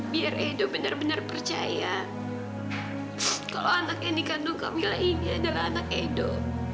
biar edo benar benar percaya kalau anak yang dikandung kamila ini adalah anak edo